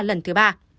lần thứ ba